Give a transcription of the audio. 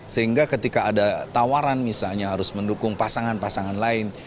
sehingga ketika ada tawaran misalnya harus mendukung pasangan pasangan lain